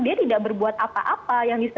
dia tidak berbuat apa apa